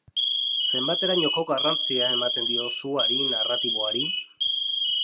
Zenbaterainoko garrantzia ematen diozu hari narratiboari?